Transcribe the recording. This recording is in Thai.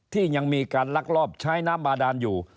ที่ยังมีการลักลอบใช้น้ำบาดานอยู่